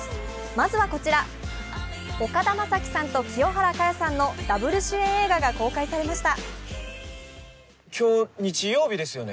まずはこちら、岡田将生さんと清原果耶さんのダブル主演映画が公開されました。